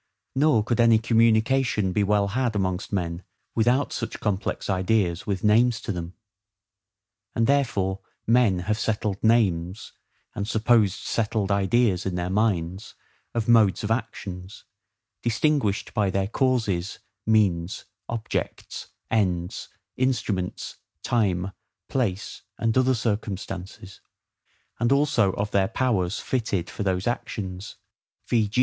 Nor could any communication be well had amongst men without such complex ideas, with names to them: and therefore men have settled names, and supposed settled ideas in their minds, of modes of actions, distinguished by their causes, means, objects, ends, instruments, time, place, and other circumstances; and also of their powers fitted for those actions: v.